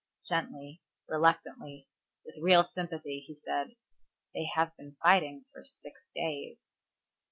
Gently, reluctantly, with real sympathy he said, "They have been fighting for six days."